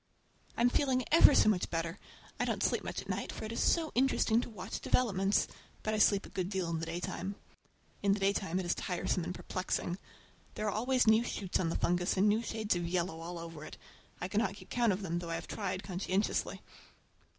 I'm feeling ever so much better! I don't sleep much at night, for it is so interesting to watch developments; but I sleep a good deal in the daytime. In the daytime it is tiresome and perplexing. There are always new shoots on the fungus, and new shades of yellow all over it. I cannot keep count of them, though I have tried conscientiously.